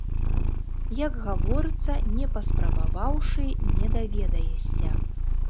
Як гаворыцца, не паспрабаваўшы, не даведаешся.